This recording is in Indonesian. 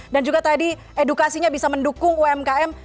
dan juga tadi edukasinya bisa mendukung umkm